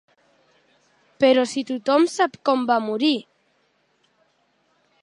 Però si tothom sap com va morir!